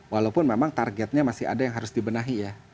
walaupun memang targetnya masih ada yang harus dibenahi ya